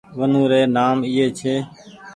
ونوري نآم ايئي ڇي